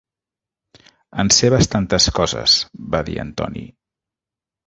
"En sé bastantes coses", va dir en Tony.